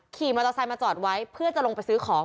ขี่มอเตอร์ไซค์มาจอดไว้เพื่อจะลงไปซื้อของ